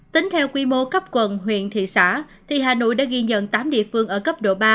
tính theo quy mô cấp quận huyện thị xã thì hà nội đã ghi nhận tám địa phương ở cấp độ ba